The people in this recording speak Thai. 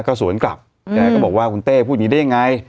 ก็สวนกลับอืมแกก็บอกว่าคุณเต้พูดนี้ได้ไง